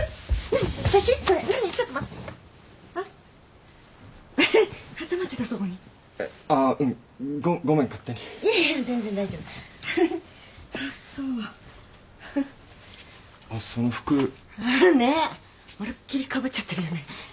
ねっ。まるっきりかぶっちゃってるよね。